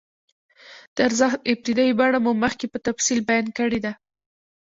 د ارزښت ابتدايي بڼه مو مخکې په تفصیل بیان کړې ده